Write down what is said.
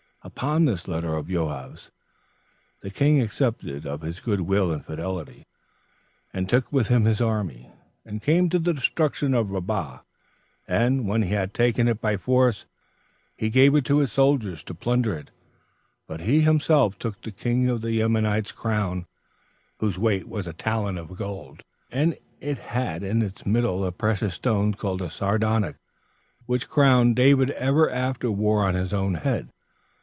Upon this letter of Joab's, the king accepted of his good will and fidelity, and took with him his army, and came to the destruction of Rabbah; and when he had taken it by force, he gave it to his soldiers to plunder it; but he himself took the king of the Ammonites' crown, whose weight was a talent of gold; 13 and it had in its middle a precious stone called a sardonyx; which crown David ever after wore on his own head.